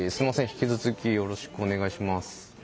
引き続きよろしくお願いします。